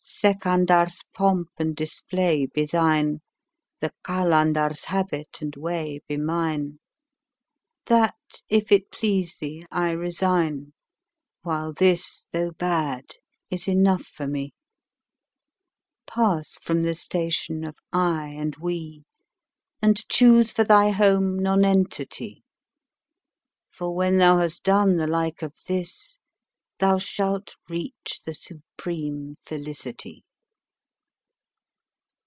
Sikandar's3 pomp and display be thine, the Qalandar's4 habit and way be mine; That, if it please thee, I resign, while this, though bad, is enough for me. Pass from the station of "I" and "We," and choose for thy home Nonentity, For when thou has done the like of this, thou shalt reach the supreme Felicity.